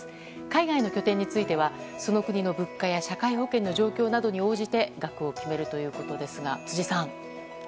海外の拠点についてはその国の物価や社会保険の状況などに応じて額を決めるということですが辻さん。